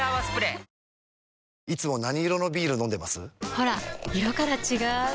ほら色から違う！